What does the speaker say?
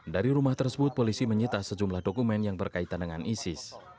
dari rumah tersebut polisi menyita sejumlah dokumen yang berkaitan dengan isis